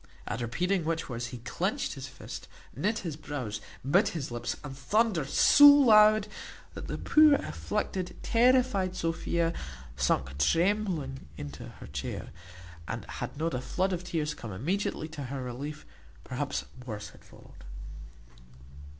At repeating which words he clinched his fist, knit his brows, bit his lips, and thundered so loud, that the poor afflicted, terrified Sophia sunk trembling into her chair, and, had not a flood of tears come immediately to her relief, perhaps worse had followed.